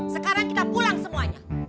sekarang kita pulang semuanya